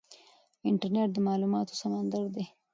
انټرنیټ د معلوماتو سمندر دی.